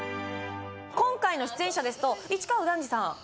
今回の出演者ですと市川右團次さん